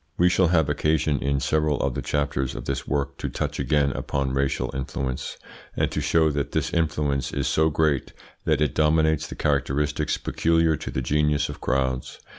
We shall have occasion in several of the chapters of this work to touch again upon racial influence, and to show that this influence is so great that it dominates the characteristics peculiar to the genius of crowds.